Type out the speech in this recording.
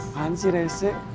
bukan sih rese